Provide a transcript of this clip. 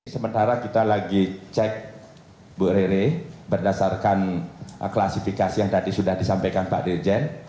sementara kita lagi cek bu rere berdasarkan klasifikasi yang tadi sudah disampaikan pak dirjen